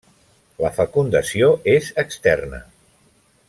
La fecundació és externa.